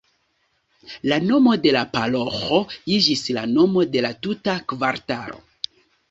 La nomo de la paroĥo iĝis la nomo de la tuta kvartalo.